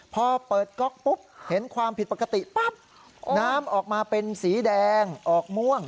พอเปิดก๊อกปุ๊บเห็นความผิดปกติปั๊บน้ำออกมาเป็นสีแดงออกม่วง